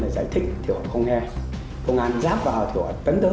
giải thích thì họ không nghe công an ráp vào thì họ tấn tới